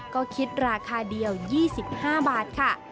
ก็คิดราคาเดียว๒๕บาทค่ะ